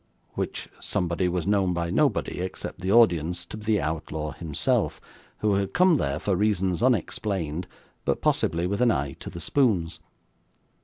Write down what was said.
which somebody was known by nobody (except the audience) to be the outlaw himself, who had come there, for reasons unexplained, but possibly with an eye to the spoons.